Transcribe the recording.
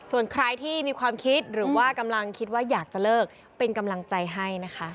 ส่วนใครที่มีความคิดหรือว่ากำลังคิดว่าอยากจะเลิกเป็นกำลังใจให้นะคะ